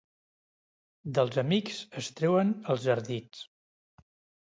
Dels amics es treuen els ardits.